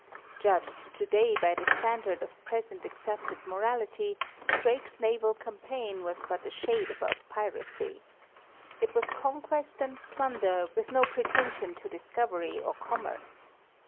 Judged today by the standard of present accepted morality, Drake's naval campaign was but a shade above piracy. It was conquest and plunder, with no pretension to discovery or com merce.